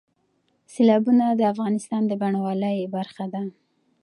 سیلابونه د افغانستان د بڼوالۍ برخه ده.